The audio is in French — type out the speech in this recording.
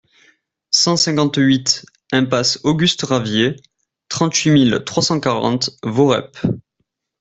cent cinquante-huit impasse Auguste Ravier, trente-huit mille trois cent quarante Voreppe